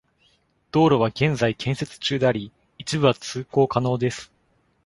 道路は現在建設中であり、一部は通行可能です。